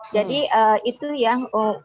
jadi itu yang terjadi